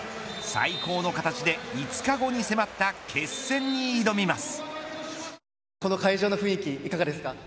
最高の形で５日後に迫った決戦に挑みます。